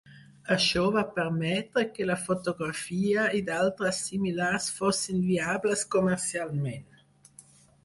Això va permetre que la fotografia i d'altres similars fossin viables comercialment.